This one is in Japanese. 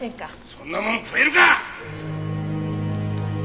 そんなもの食えるか！